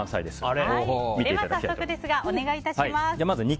では早速ですがお願い致します。